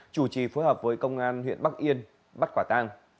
chủ trì phối hợp với công an huyện bắc yên bắt quả tang